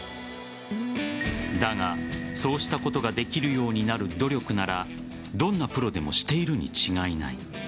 だがそうしたことができるようになる努力ならどんなプロでもしているに違いない。